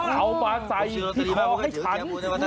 เอามาใส่ที่แมวให้ฉัน